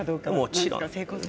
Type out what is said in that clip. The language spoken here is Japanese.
もちろん。